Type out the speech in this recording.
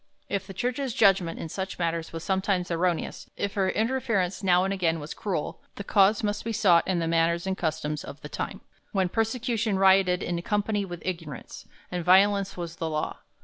If the Church's judgment in such matters was sometimes erroneous; if her interference now and again was cruel, the cause must be sought in the manners and customs of the time, when persecution rioted in company with ignorance, and violence was the law.